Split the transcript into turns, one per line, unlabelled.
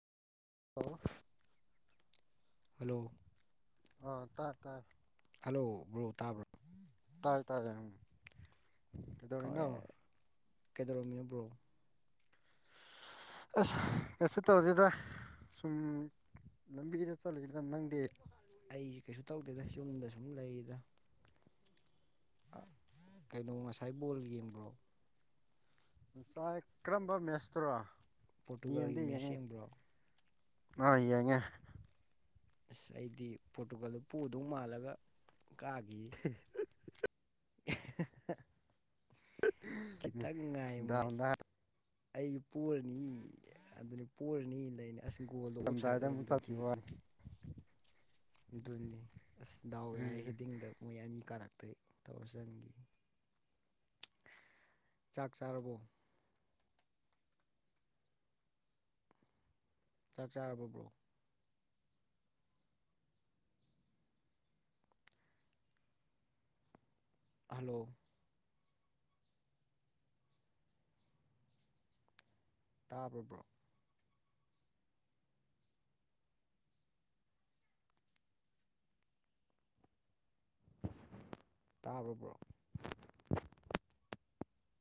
ꯍꯂ
ꯍꯂꯣ
ꯑ ꯇ ꯇꯥꯏ
ꯍꯜꯂꯣ ꯕ꯭ꯔꯣ ꯇꯥꯕ꯭ꯔꯣ
ꯇꯥꯏ ꯇꯥꯏꯌꯦ ꯎ ꯀꯗꯧꯅꯣ
ꯀꯦꯗꯣꯔꯣꯃꯤꯌꯣ ꯕ꯭ꯔꯣ
ꯑꯁ ꯀꯩꯁꯨ ꯇꯧꯔꯤꯗ ꯁꯨꯝ ꯂꯝꯕꯤꯗ ꯆꯠꯂꯗ ꯅꯪꯗꯤꯦ
ꯑꯩꯁꯦ ꯀꯩꯁꯨ ꯇꯧꯗꯦꯗ ꯌꯨꯝꯗ ꯁꯨꯝ ꯂꯩꯔꯤꯗ ꯀꯩꯅꯣ ꯉꯁꯥꯏ ꯕꯣꯜ ꯌꯦꯡꯕ꯭ꯔꯣ
ꯉꯁꯥꯏ ꯀꯔꯝꯕ ꯃꯦꯠꯁꯇꯔꯣ
ꯄꯣꯔꯇꯨꯒꯥꯜꯒꯤ ꯃꯦꯁꯡꯕ꯭ꯔꯣ
ꯑ ꯌꯥꯉꯦ
ꯑꯁ ꯑꯩꯗꯤ ꯄꯣꯔꯇꯨꯒꯜꯗꯨ ꯄꯨꯗꯧ ꯃꯥꯜꯂꯒ ꯀꯥꯈꯤ [inaudible] ꯀꯈꯤꯇ ꯉꯅꯨꯡ ꯉꯥꯏ ꯃꯣꯏ
ꯗꯥꯎꯟꯗ
ꯑꯩ ꯄꯔꯅꯤ ꯑꯗꯨꯅꯤ ꯄꯔꯅꯤ ꯂꯩꯅꯤ ꯑꯁ ꯒꯨꯒꯣꯜꯗꯣ ꯑꯣꯞꯁꯥꯏꯠ
ꯉꯝꯗꯥꯏꯗ ꯑꯃꯨꯛ
ꯑꯣꯏꯔꯝꯗ꯭ꯔꯗꯤ
ꯆꯠꯈꯤꯕ ꯋꯥꯅꯤ
ꯑꯗꯨꯅꯤ ꯑꯁ ꯗꯥꯎ ꯌꯥꯏ
ꯎꯝ
ꯍꯤꯗꯤꯡꯗ ꯃꯣꯏ ꯑꯅꯤ ꯀꯥꯔꯛ ꯇꯧꯁꯤꯟꯈꯤ ꯆꯥꯛ ꯆꯥꯔꯕꯣ ꯆꯥꯛ ꯆꯥꯔꯕꯔꯕ꯭ꯔꯣ ꯍꯂꯣ ꯇꯥꯕꯔꯕ꯭ꯔꯣ ꯇꯥꯔꯕ꯭ꯔꯣ